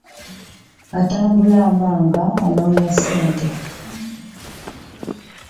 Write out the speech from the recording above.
Atambula amaga gy'oli anoonya ssente